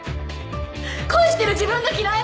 恋してる自分が嫌い。